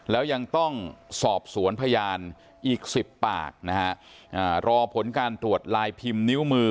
แล้วยังต้องสอบสวนพยานอีกสิบปากนะฮะรอผลการตรวจลายพิมพ์นิ้วมือ